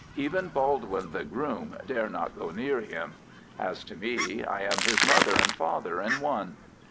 Even Baldwin, the groom, dare not go near him. As to me, I am his mother and father in one."